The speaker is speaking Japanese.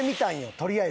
とりあえず。